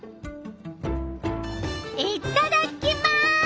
いっただきます！